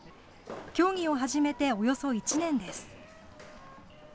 競技を始めておよそ１年です。